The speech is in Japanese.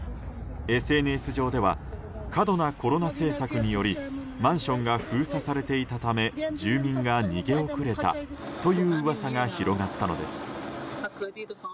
ＳＮＳ上では過度なコロナ政策によりマンションが封鎖されていたため住民が逃げ遅れたという噂が広がったのです。